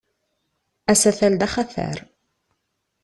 Asatal d axatar.